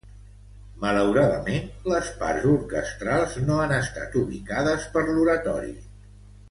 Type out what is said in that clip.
Malauradament, les parts orquestrals no han estat ubicades per l'oratori.